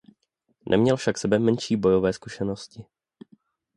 Neměl však sebemenší bojové zkušenosti.